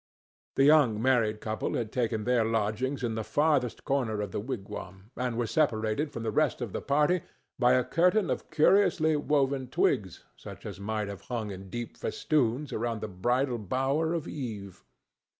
The young married couple had taken their lodgings in the farthest corner of the wigwam, and were separated from the rest of the party by a curtain of curiously woven twigs such as might have hung in deep festoons around the bridal bower of Eve.